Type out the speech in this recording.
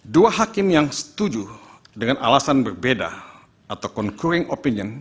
dua hakim yang setuju dengan alasan berbeda atau concruing opinion